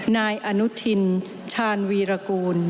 นายอนุทินชาญวีรกูล